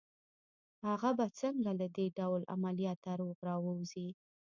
هغه به څنګه له دې ډول عملياته روغ را ووځي